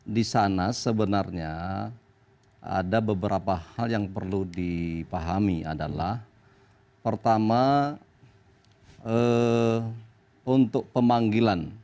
di sana sebenarnya ada beberapa hal yang perlu dipahami adalah pertama untuk pemanggilan